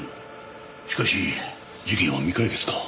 しかし事件は未解決か。